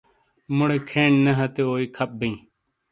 مُوڑے کھین نے ہتے اوئی کھپ بِیں۔